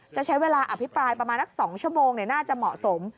จะใช้เวลาอภิปรายประมาณนัก๒ชั่วโมงน่าจะเหมาะสม